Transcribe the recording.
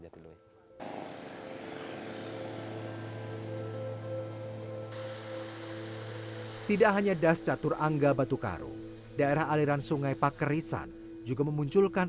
jatilui tidak hanya das catur angga batu karu daerah aliran sungai pakerisan juga memunculkan